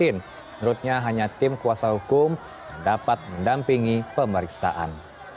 menurutnya hanya tim kuasa hukum yang dapat mendampingi pemeriksaan